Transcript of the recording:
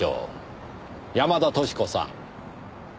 山田淑子さん。